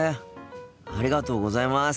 ありがとうございます。